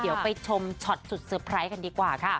เดี๋ยวไปชมช็อตสุดเซอร์ไพรส์กันดีกว่าค่ะ